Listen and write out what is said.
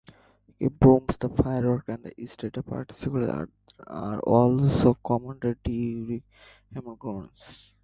Bonfires, fireworks, and street parties are also common during Hogmanay.